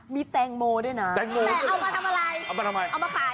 มีแตงโมด้วยนะแม็คเอามาทำอะไรเอามาทำไม